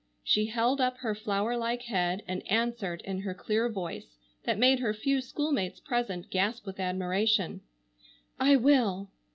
She held up her flower like head and answered in her clear voice, that made her few schoolmates present gasp with admiration: "I will!"